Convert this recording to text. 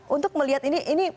untuk melihat ini ini